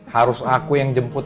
harus aku yang jemput